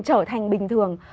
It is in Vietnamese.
trở thành bình thường